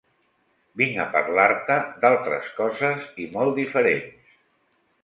Vinc a parlar-te d'altres coses, i molt diferents.